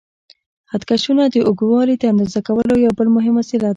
خط کشونه د اوږدوالي د اندازه کولو یو بل مهم وسیله ده.